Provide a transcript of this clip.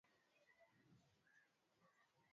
Jacob alimuona jamaa yule akiwa anakata roho